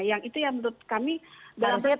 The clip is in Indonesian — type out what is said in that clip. yang itu yang menurut kami dalam rentang waktu